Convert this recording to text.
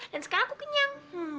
dan sekarang aku kenyang